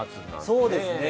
そうですね。